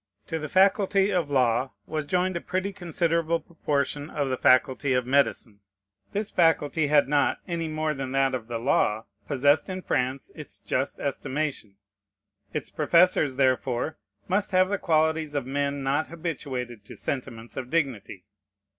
To the faculty of law was joined a pretty considerable proportion of the faculty of medicine. This faculty had not, any more than that of the law, possessed in France its just estimation. Its professors, therefore, must have the qualities of men not habituated to sentiments of dignity.